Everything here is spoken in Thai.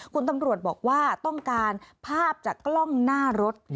คุณตำรวจบอกว่าต้องการภาพจากกล้องหน้ารถ